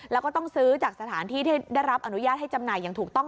แล้วก็ต้องซื้อจากสถานที่ที่ได้รับอนุญาตให้จำหน่ายอย่างถูกต้อง